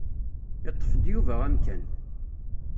Iṭṭef-d Yuba amkan.